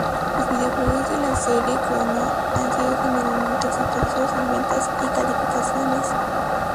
Los videojuegos de la serie Chrono han sido generalmente exitosos en ventas y calificaciones.